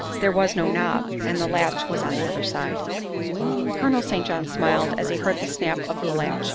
There was no knob, and the latch was on the other side. Colonel St. John smiled as he heard the snap of the latch.